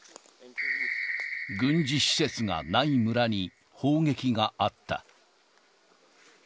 軍事施設がない村に砲撃があった。